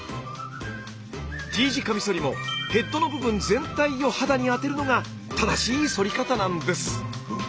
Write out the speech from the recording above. Ｔ字カミソリもヘッドの部分全体を肌に当てるのが正しいそり方なんです。